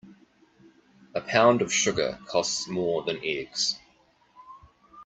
A pound of sugar costs more than eggs.